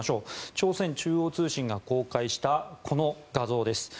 朝鮮中央通信が公開したこの画像です。